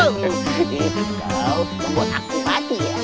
kalau membuat aku mati ya